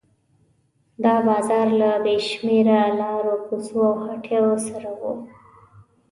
دا بازار له بې شمېره لارو کوڅو او هټیو سره و.